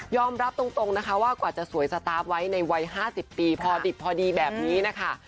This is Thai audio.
รับตรงนะคะว่ากว่าจะสวยสตาร์ฟไว้ในวัย๕๐ปีพอดิบพอดีแบบนี้นะคะ